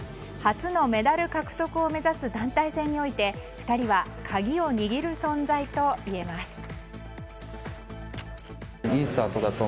初のメダル獲得を目指す団体戦において２人は鍵を握る存在といえます。